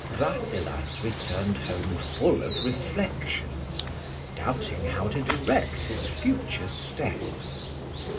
RASSELAS returned home full of reflections, doubting how to direct his future steps.